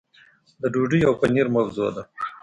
د ډوډۍ او پنیر موضوع ده.